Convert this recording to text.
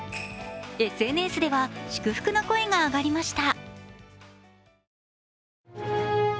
ＳＮＳでは祝福の声が上がりました。